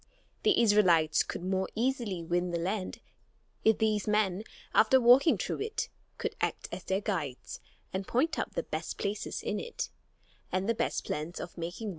The Israelites could more easily win the land if these men, after walking through it, could act as their guides and point out the best places in it and the best plans of making war upon it.